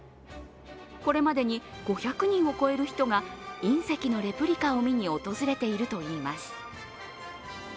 これまでに５００を超える人が隕石のレプリカを見に訪れているといいます。